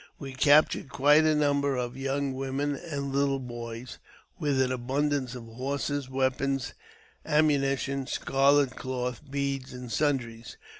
We captured quite a number of young women and little boys, with an abundance of horses, weapons, ammuni tion, scarlet cloth, beads, and sundries.